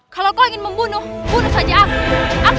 kalau kau ingin membunuh bunuh saja aku